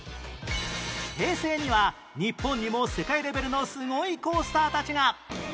平成には日本にも世界レベルのすごいコースターたちが